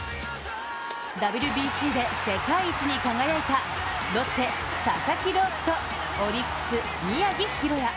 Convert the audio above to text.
ＷＢＣで世界一に輝いたロッテ・佐々木朗希とオリックス・宮城大弥。